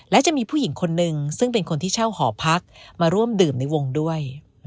และจะมีผู้หญิงคนนึงซึ่งเป็นคนที่เช่าหอพักมาร่วมดื่มในวงด้วย